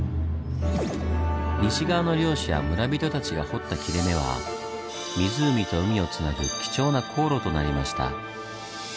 西側の漁師や村人たちが掘った切れ目は湖と海をつなぐ貴重な航路となりました。